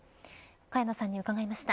萱野さんに伺いました。